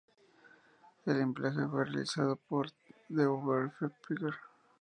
El embalaje fue realizado por "The Butterfly Package".